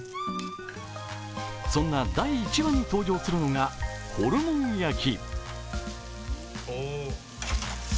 そんな第１話に登場するのがホルモン焼き。